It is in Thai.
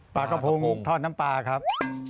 ปลากระโพงกทอดน้ำปลาครับ